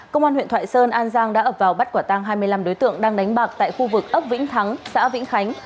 công an huyện thoại sơn an giang đã ập vào bắt quả tang hai mươi năm đối tượng đang đánh bạc tại khu vực ấp vĩnh thắng xã vĩnh khánh